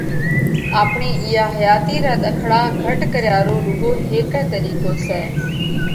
آپڻِي اِيئا حياتِي را ۮکڙا گھٽ ڪريا رو روڳو هيڪئه طريقو سئہ